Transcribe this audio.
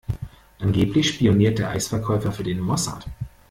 Angeblich spioniert der Eisverkäufer für den Mossad.